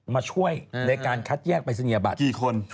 มาช่วยในการคัดแยกไปสนียบัตร